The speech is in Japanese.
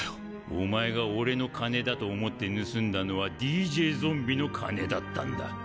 お前が俺の金だと思って盗んだのはＤＪゾンビの金だったんだ。